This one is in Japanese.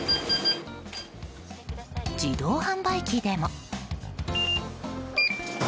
自動販売機でも。